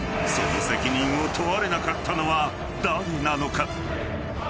［その責任を問われなかったのは誰なのか？］